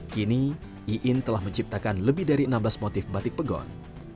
kini iin telah menciptakan lebih dari enam belas motif batik pegon